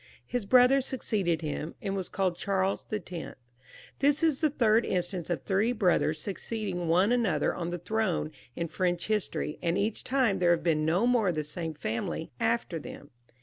His brother succeeded him, and was called Charles X. This is the third instance of three brothers succeeding one another on the throne in French history, and each time there have been no more of the same family after them.